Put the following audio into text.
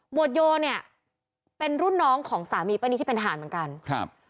วดโยเนี่ยเป็นรุ่นน้องของสามีป้านีที่เป็นทหารเหมือนกันครับ